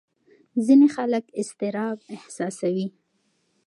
ځینې خلک اضطراب احساسوي.